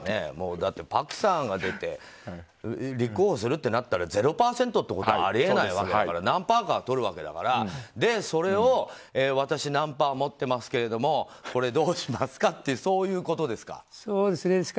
だって、朴さんが出て立候補するってなったら０％ってことはあり得ないわけだから何パーかはとるわけだからそれを私、何パー持ってますけどこれ、どうしますか？ってそういうことですか。